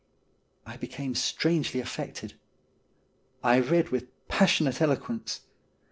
I became strangely affected. I read with passionate elo quence.